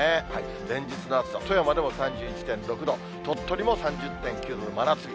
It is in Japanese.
連日の暑さ、富山でも３１．６度、鳥取も３０．９度の真夏日。